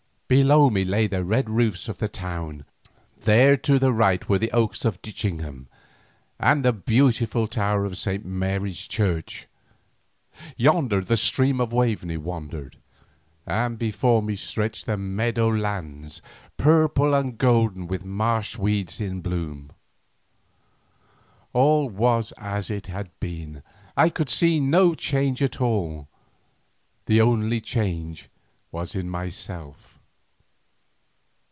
Below me lay the red roofs of the town; there to the right were the oaks of Ditchingham and the beautiful tower of St. Mary's Church, yonder the stream of Waveney wandered, and before me stretched the meadow lands, purple and golden with marsh weeds in bloom. All was as it had been, I could see no change at all, the only change was in myself.